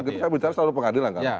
saya bicara selalu pengadilan